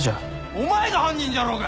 お前が犯人じゃろうが！」